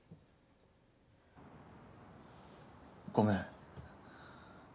ごめん。